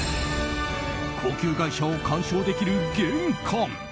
高級外車を観賞できる玄関！